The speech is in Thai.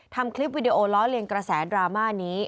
ทำคลิปวิดีโอล้อเลียนกระแสดราม่านี้